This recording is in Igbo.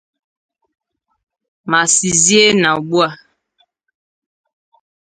ma sịzie na ugbua